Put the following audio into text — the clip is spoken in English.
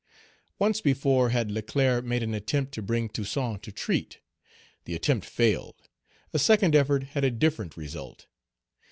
Once before had Leclerc made an attempt to bring Toussaint to treat. The attempt failed. A second effort had a different result.